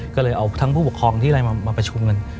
ก็เลยเอาทั้งผู้ปกครองที่อะไรมาประชุมกัน